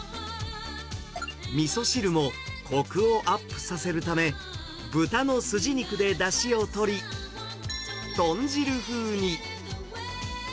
みそ汁もこくをアップさせるため、豚のすじ肉でだしをとり、豚汁風に。